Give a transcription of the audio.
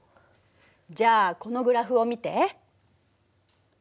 じゃあこのグラフを見て。